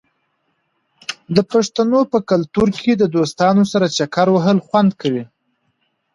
د پښتنو په کلتور کې د دوستانو سره چکر وهل خوند کوي.